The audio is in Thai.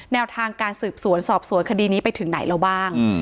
แนวทางการสืบสวนสอบสวนคดีนี้ไปถึงไหนแล้วบ้าง